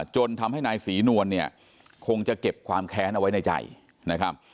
จนทำให้นายศรีนวลเนี่ยคงจะเก็บความแค้นเอาไว้ในใจนะครับ